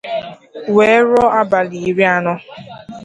wee ruo abalị iri na anọ